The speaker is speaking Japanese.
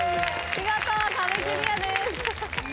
見事壁クリアです。